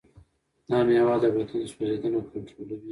دا مېوه د بدن سوځیدنه کنټرولوي.